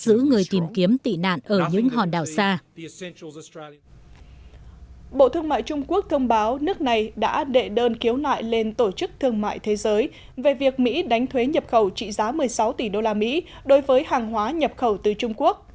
bộ thương mại trung quốc thông báo nước này đã đệ đơn khiếu nại lên tổ chức thương mại thế giới về việc mỹ đánh thuế nhập khẩu trị giá một mươi sáu tỷ đô la mỹ đối với hàng hóa nhập khẩu từ trung quốc